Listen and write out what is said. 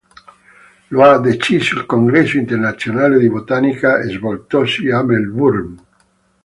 Lo ha deciso il congresso internazionale di botanica svoltosi a Melbourne.